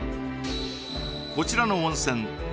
こちらの温泉